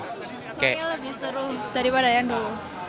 saya lebih seru daripada yang dulu